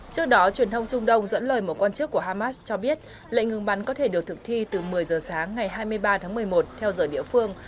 trước đó truyền thông trung đông dẫn lời một quan chức của hamas cho biết lệnh ngừng bắn có thể được thực thi từ một mươi giờ sáng ngày hai mươi ba tháng một mươi một theo giờ địa phương